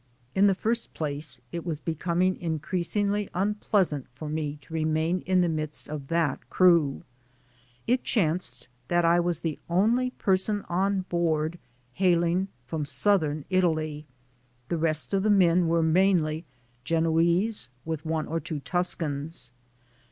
In the first place, it was becoming increasingly un pleasant for me to remain in the midst of that crew. It chanced that I was the only person on board hail ing from southern Italy; the rest of the men were mostly Genoese, with one or two Tuscans.